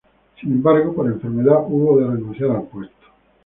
Sin embargo, por enfermedad, hubo de renunciar al puesto.